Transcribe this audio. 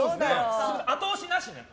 後押しなしね。